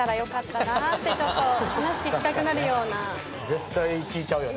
絶対聞いちゃうよね。